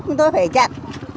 chúng tôi phải chặn